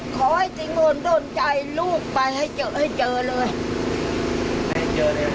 ขอให้จริงโอนโดนใจลูกไปให้เจอให้เจอเลย